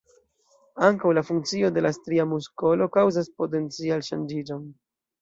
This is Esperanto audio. Ankaŭ la funkcio de la stria muskolo kaŭzas potencial-ŝanĝiĝon.